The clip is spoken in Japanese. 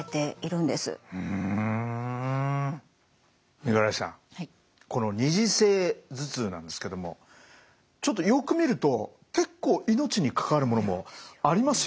五十嵐さんこの二次性頭痛なんですけどもちょっとよく見ると結構命に関わるものもありますよね？